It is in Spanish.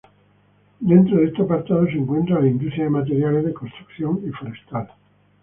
Dentro de este apartado se encuentra la industria de materiales de construcción y forestal.